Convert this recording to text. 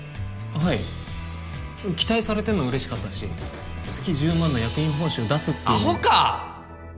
はい期待されてるの嬉しかったし月１０万の役員報酬出すっていうアホか！